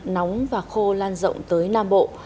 nóng và khô lan rộng tới nam bộ